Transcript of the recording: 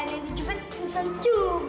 ho toh nenek cepet pingsan juga